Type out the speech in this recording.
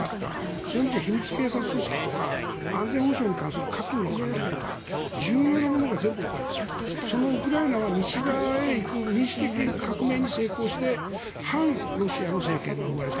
そういう意味では秘密警察組織とか安全保障に関するものとか重要なものが全部置かれていたそのウクライナは西側へ行く民主的革命に成功して反ロシアの政権が誕生した。